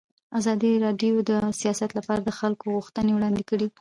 ازادي راډیو د سیاست لپاره د خلکو غوښتنې وړاندې کړي.